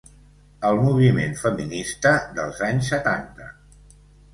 El moviment feminista dels anys setanta.